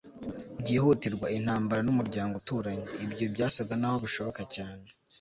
byihutirwa - intambara n'umuryango uturanye? ibyo byasaga naho bishoboka cyane